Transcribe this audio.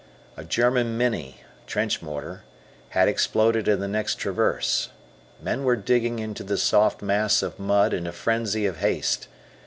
A German "Minnie" (trench mortar) had exploded in the next traverse. Men were digging into the soft mass of mud in a frenzy of haste.